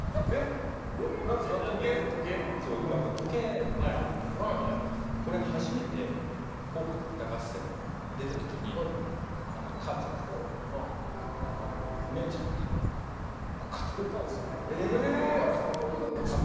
時計あるんですけど初めて「紅白歌合戦」に出た時にかあちゃんと姉ちゃんが買ってくれたんですよね。